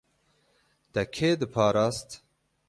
Te kê diparast?